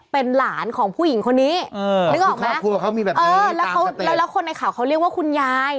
เป็นหลานของผู้หญิงคนนี้นึกออกไหมแล้วคนในข่าวเขาเรียกว่าคุณยาย